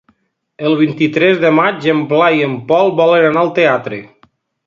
El vint-i-tres de maig en Blai i en Pol volen anar al teatre.